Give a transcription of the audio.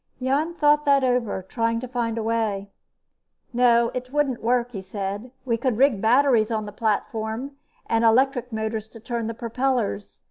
Jan thought that over, trying to find a way. "No, it wouldn't work," he said. "We could rig batteries on the platform and electric motors to turn the propellers.